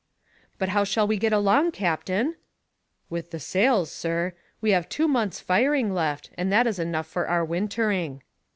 "But how shall we get along, captain?" "With the sails, sir. We have two months' firing left, and that is enough for our wintering."